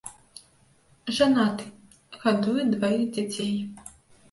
Жанаты, гадуе дваіх дзяцей.